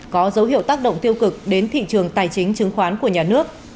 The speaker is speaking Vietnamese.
có dấu hiệu tác động tiêu cực đến thị trường tài chính chứng khoán của nhà nước